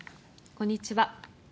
こんにちは。